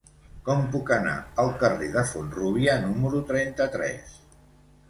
Com puc anar al carrer de Font-rúbia número trenta-tres?